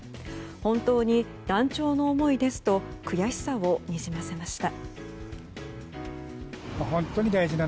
本当に断腸の思いですと悔しさをにじませました。